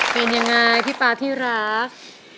เป็นยังไงพี่ป๊าพี่รัก